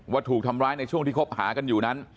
ถูกทำร้ายในช่วงที่คบหากันอยู่นั้น